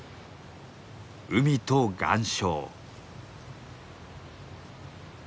海と岩礁。